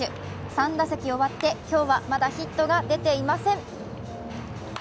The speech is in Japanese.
３打席終わって今日はまだヒットが出ていません。